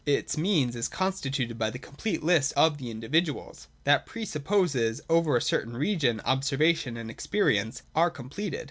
Its mean is constituted by the complete list of the individuals. That pre supposes that over a certain region observation and experience are com pleted.